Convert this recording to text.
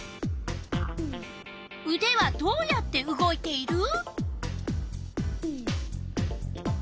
うではどうやって動いている？